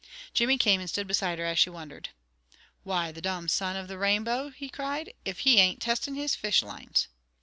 Jimmy came and stood beside her as she wondered. "Why, the domn son of the Rainbow," he cried, "if he ain't testing his fish lines!"